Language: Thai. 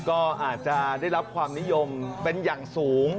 ก็อาจจะได้รับความนิยมเป็นอย่างสูง